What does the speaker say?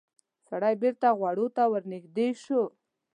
سړی بېرته غواوو ته ورنږدې شو.